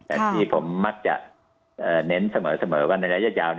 แต่ที่ผมมักจะเน้นเสมอว่าในระยะยาว